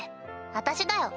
私だよ。